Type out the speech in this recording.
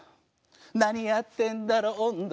「何やってんだろ音頭」